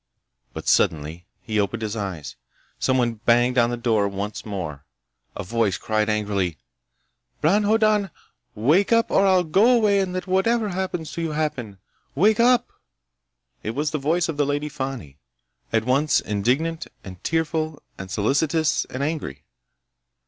But suddenly he opened his eyes. Somebody banged on the door once more. A voice cried angrily: "Bron Hoddan! Wake up or I'll go away and let whatever happens to you happen! Wake up!" It was the voice of the Lady Fani, at once indignant and tearful and solicitous and angry.